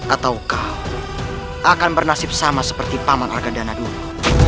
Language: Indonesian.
atau kau akan bernasib sama seperti paman argandana dulu